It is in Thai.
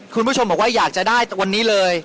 คุณผู้ชมบอกว่าอยากจะได้วันนี้เลย